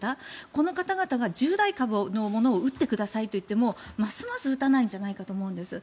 この方々が従来株のものを打ってくださいと言ってもますます打たないんじゃないかと思うんです。